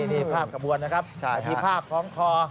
นี่ภาพขบวนนะครับพี่ภาพพร้อมคลอ